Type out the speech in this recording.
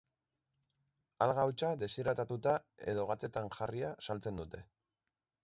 Alga hautsa, deshidratatuta edo gatzetan jarria saltzen dute.